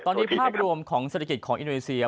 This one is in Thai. ตอนนี้ภาพรวมของเศรษฐกิจของอินโดนีเซีย